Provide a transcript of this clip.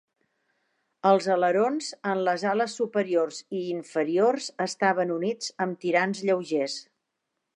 Els alerons, en les ales superiors i inferiors, estaven units amb tirants lleugers.